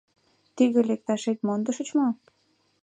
Тӱгӧ лекташет мондышыч мо?